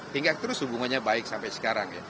hingga terus hubungannya baik sampai sekarang